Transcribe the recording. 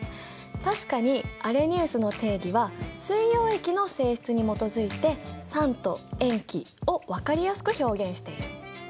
確かにアレニウスの定義は水溶液の性質に基づいて酸と塩基を分かりやすく表現している。